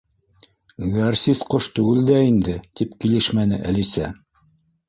—Гәрсис ҡош түгел дә инде, —тип килешмәне Әлисә.